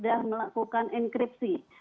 ini adalah proses penyelidikan dan enkripsi